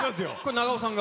長尾さんの？